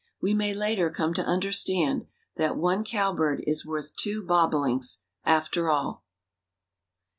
We may later come to understand that one cowbird is worth two bobolinks after all."